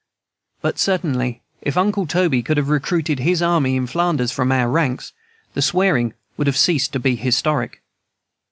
But certainly, if Uncle Toby could have recruited his army in Flanders from our ranks, their swearing would have ceased to be historic.